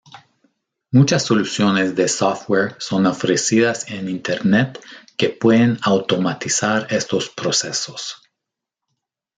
Muchas soluciones de software son ofrecidas en Internet que pueden automatizar estos procesos.